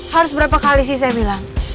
harus berapa kali sih saya bilang